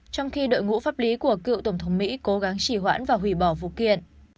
trong khi đội ngũ pháp lý của cựu tổng thống mỹ cố gắng chỉ hoãn và hủy bỏ vụ kiện